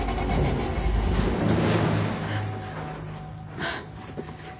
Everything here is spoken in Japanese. あっ！